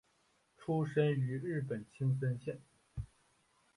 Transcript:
出身于日本青森县。